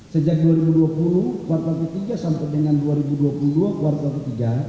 sejak dua ribu dua puluh kuartal ketiga sampai dengan dua ribu dua puluh kuartal ketiga